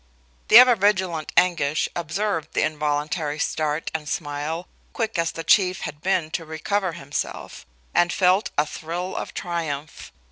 The ever vigilant Anguish observed the involuntary start and smile, quick as the Chief had been to recover himself, and felt a thrill of triumph.